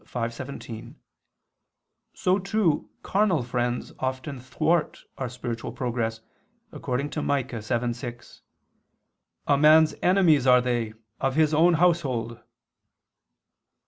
5:17), so too carnal friends often thwart our spiritual progress, according to Mic. 7:6, "A man's enemies are they of his own household."